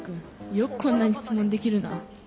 よくこんなに質問できるなぁ。